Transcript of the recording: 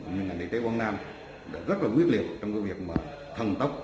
những ngành địa chế quảng nam đã rất là quyết liệt trong cái việc mà thần tốc